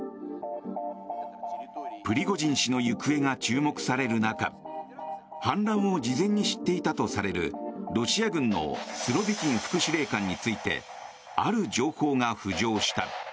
プリゴジン氏の行方が注目される中反乱を事前に知っていたとされるロシア軍のスロビキン副司令官についてある情報が浮上した。